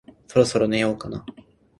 そろそろ寝ようかな